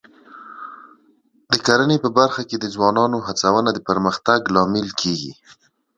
د کرنې په برخه کې د ځوانانو هڅونه د پرمختګ لامل کېږي.